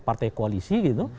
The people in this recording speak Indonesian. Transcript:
partai koalisi gitu